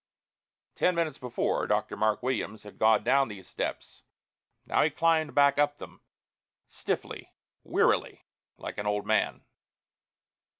Ten minutes before, Dr. Mark Williams had gone down those steps. Now he climbed back up them, stiffly, wearily, like an old man.